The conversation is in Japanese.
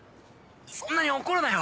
そんなに怒るなよ。